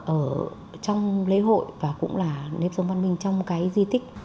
ở trong lễ hội và cũng là nếp sống văn minh trong cái di tích